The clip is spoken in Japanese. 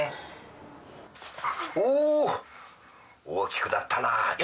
大きくなったなあ。